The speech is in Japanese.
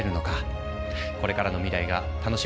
これからの未来が楽しみだよね。